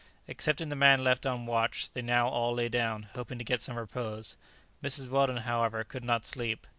Excepting the man left on watch, they now all lay down, hoping to get some repose. Mrs. Weldon, however, could not sleep.